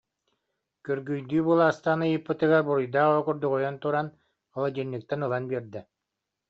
күргүйдүү былаастаан ыйыппытыгар, буруйдаах оҕо курдук ойон туран, холодильниктан ылан биэрдэ